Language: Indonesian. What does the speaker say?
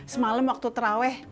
semalam waktu terawih